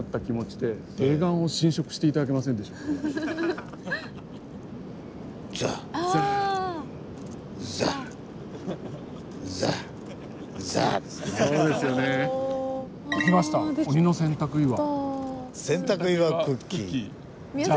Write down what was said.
できました鬼の洗濯岩。